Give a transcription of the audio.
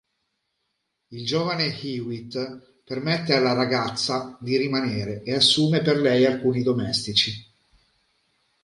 Il giovane Hewitt permette alla ragazza di rimanere e assume per lei alcuni domestici.